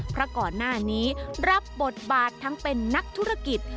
เพราะก่อนหน้านี้รับบทบาททั้งเป็นนักธุรกิจ